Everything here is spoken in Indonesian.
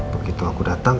begitu aku datang